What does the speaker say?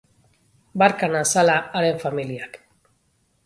Barka nazala haren familiak.